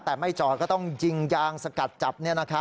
แต่ไม่จอดก็ต้องยิงยางสกัดจับ